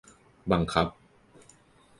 บังคับ